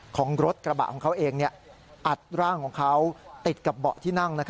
ของรถกระบะของเขาเองอัดร่างของเขาติดกับเบาะที่นั่ง